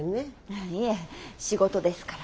いいえ仕事ですから。